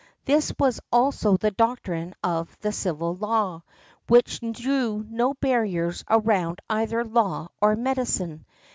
This was also the doctrine of the civil law, which drew no barriers around either law or medicine.